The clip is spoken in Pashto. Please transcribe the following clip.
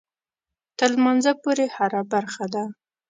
تر لمانځه پورې هره برخه ده.